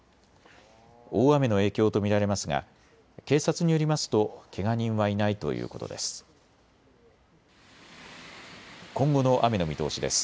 大雨の影響と見られますが警察によりますとけが人はいないということです。